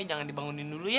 jangan dibangunin dulu ya